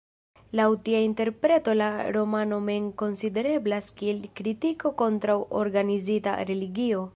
Laŭ tia interpreto la romano mem konsidereblas kiel kritiko kontraŭ organizita religio.